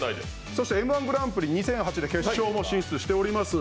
そしてＭ−１グランプリで決勝進出もしております。